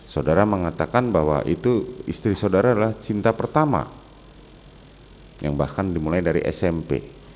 saudara mengatakan bahwa itu istri saudara adalah cinta pertama yang bahkan dimulai dari smp